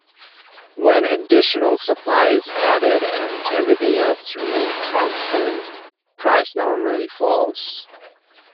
When additional supply is added and everything else remains constant, price normally falls.